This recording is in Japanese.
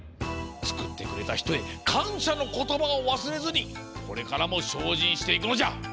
つくってくれたひとへかんしゃのことばをわすれずにこれからもしょうじんしていくのじゃ！